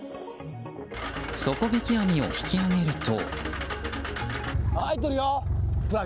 底引き網を引き揚げると。